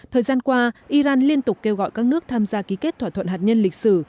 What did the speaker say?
thời gian qua iran liên tục kêu gọi các nước tham gia ký kết thỏa thuận hạt nhân lịch sử